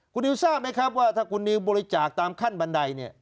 คุณนิวทราบไหมครับว่าถ้าคุณนิวบริจาคตามขั้นบันไดเนี่ย